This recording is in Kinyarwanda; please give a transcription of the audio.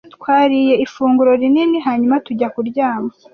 Twariye ifunguro rinini hanyuma tujya kuryama.